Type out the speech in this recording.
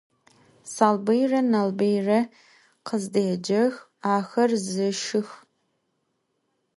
Salbıyre Nalbıyre khızdêcex, axer zeşşıx.